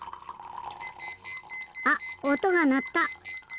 あっおとがなった！